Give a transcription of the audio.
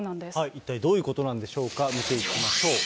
一体どういうことなんでしょうか、見ていきましょう。